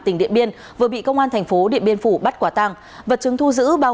tỉnh điện biên vừa bị công an thành phố điện biên phủ bắt quả tàng vật chứng thu giữ bao